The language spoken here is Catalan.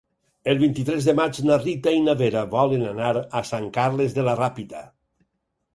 El vint-i-tres de maig na Rita i na Vera volen anar a Sant Carles de la Ràpita.